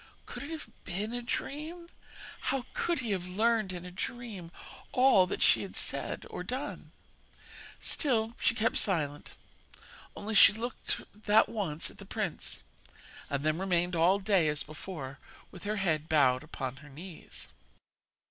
'Could it have been a dream? How could he have learnt in a dream all she had done or said?' Still she kept silent; only she looked that once at the prince, and then remained all day as before, with her head bowed upon her knees.